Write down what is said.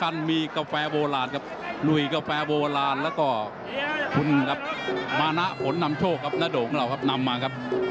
นำมาครับ